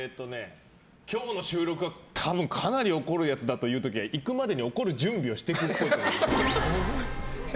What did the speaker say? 今日の収録はかなり怒るやつだという時はいくまでに怒る準備をしていくっぽい。